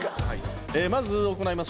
まず行います